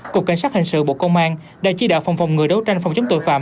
cục cảnh sát hình sự bộ công an đã chi đạo phòng phòng ngừa đấu tranh phòng chống tội phạm